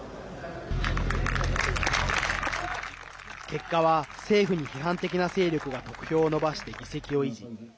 結果は、政府に批判的な勢力が得票を伸ばして議席を維持。